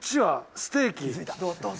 ステーキ。